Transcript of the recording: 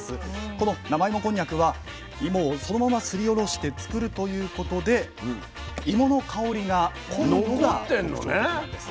この生芋こんにゃくは芋をそのまますりおろして作るということで芋の香りが濃いことが特徴的なんです。